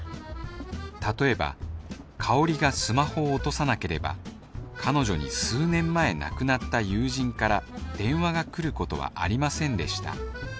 例えば香がスマホを落とさなければ彼女に数年前亡くなった友人から電話が来ることはありませんでした